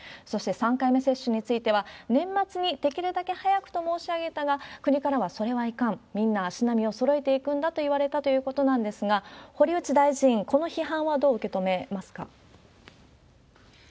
そして３回目接種については、年末にできるだけ早くと申し上げたが、国からはそれはいかん、みんな足並みをそろえていくんだと言われたということなんですが、堀内大臣、この批判はどう受け止めますか？